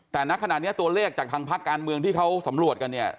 แต่ณขณะนี้ตัวเลขจากทางภาคการเมืองที่เขาสำรวจกันเนี่ย